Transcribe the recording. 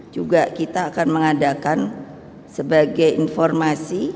juga kita akan mengadakan sebagai informasi